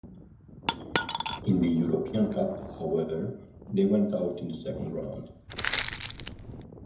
In the European Cup however, they went out in the second round.